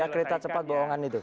kereta cepat bohongan itu